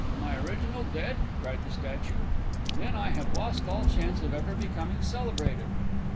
My Original dead?" cried the Statue. "Then I have lost all chance of ever becoming celebrated!"